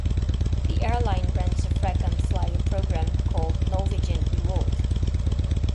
The airline runs a frequent flyer program called Norwegian Reward.